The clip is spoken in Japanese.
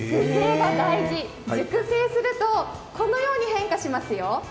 熟成するとこのように変化しますよ。